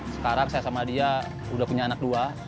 sekarang saya sama dia udah punya anak dua